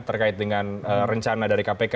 terkait dengan rencana dari kpk